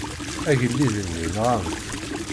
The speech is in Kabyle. Agellid-nni nɣan-t.